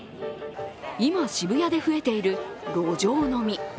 今、渋谷で増えている路上飲み。